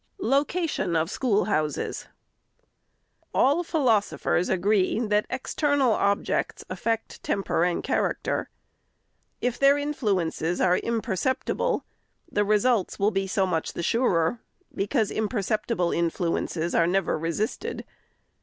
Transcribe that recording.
LOCATION OF SCHOOLHOUSES. All philosophers agree that external objects affect tem per and character. If their influences are imperceptible, the results will be so much the surer, because impercep tible influences are never resisted.